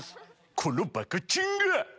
このバカチンが！